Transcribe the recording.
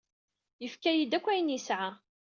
Yefka-yi-d akk ayen i yesɛa.